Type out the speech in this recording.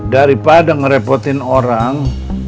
daripada ngerepotin orang